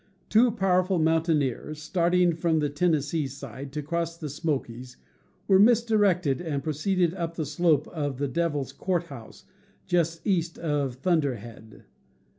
Two powerful mountaineers starting from the Tennes see side to cross the Smokies were misdirected and proceeded up the slope of the Devil's Court House, just east of Thunderhead.